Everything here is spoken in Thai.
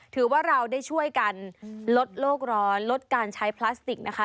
ถือว่าเราได้ช่วยกันลดโลกร้อนลดการใช้พลาสติกนะคะ